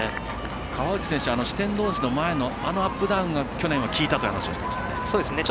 川内選手、四天王寺の前のアップダウンが去年は効いたという話をしていましたね。